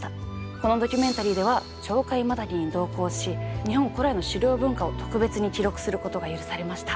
このドキュメンタリーでは鳥海マタギに同行し日本古来の狩猟文化を特別に記録することが許されました。